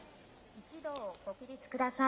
一同、ご起立ください。